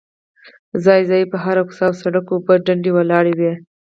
ځای ځای په هره کوڅه او سړ ک اوبه ډنډ ولاړې وې.